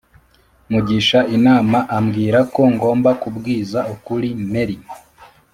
mugisha inama ambwirako ngomba kubwiza ukuri mary